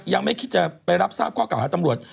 ยังไม่คิดจะไปรับทราบข้อเก่าหาตำรวจ